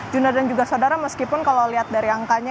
juna dan juga saudara meskipun kalau lihat dari angkanya